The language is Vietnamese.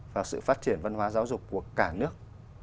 và sự phát triển văn hóa giáo dục của cả nước